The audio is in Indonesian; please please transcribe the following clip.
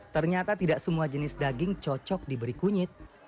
ternyata tidak semua jenis daging cocok diberi kunyit